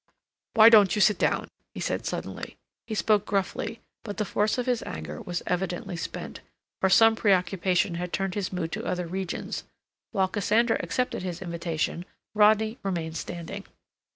"Why don't you sit down?" he said suddenly. He spoke gruffly, but the force of his anger was evidently spent, or some preoccupation had turned his mood to other regions. While Cassandra accepted his invitation, Rodney remained standing.